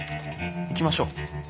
行きましょう。